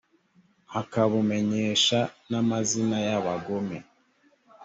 akabumenyesha n amazina y abagome